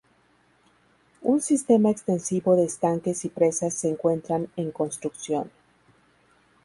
Un sistema extensivo de estanques y presas se encuentran en construcción.